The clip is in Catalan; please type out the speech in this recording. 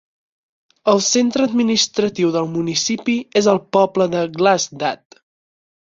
El centre administratiu del municipi és el poble de Gladstad.